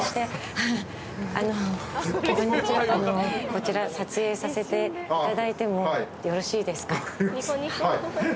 こちら撮影させていただいてもよろしいですか？